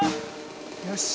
よし。